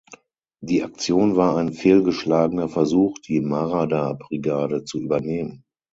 Die Aktion war ein fehlgeschlagener Versuch, die Marada-Brigade zu übernehmen.